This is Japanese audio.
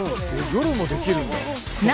夜もできるんだ。